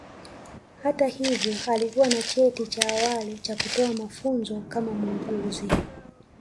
Hata hivyo alikuwa na cheti cha awali cha kutoa mafunzo kama muuguzi